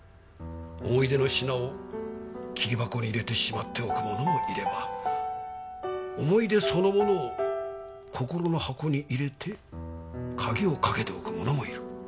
思い出の品を桐箱に入れてしまっておく者もいれば思い出そのものを心の箱に入れて鍵をかけておく者もいる。